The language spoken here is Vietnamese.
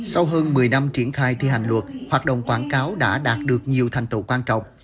sau hơn một mươi năm triển khai thi hành luật hoạt động quảng cáo đã đạt được nhiều thành tựu quan trọng